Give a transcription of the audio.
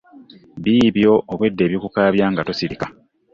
Biibyo obwedda ebikukaabya nga tosirika.